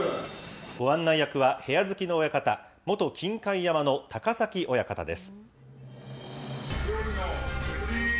ご案内役は部屋付きの親方、元金開山の高崎親方です。